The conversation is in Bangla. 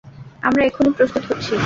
আমরা এক্ষুণি প্রস্তুত হচ্ছি।